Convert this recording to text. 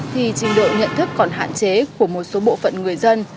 thì trình độ nhận thức còn hạn chế của một số bộ phận người dân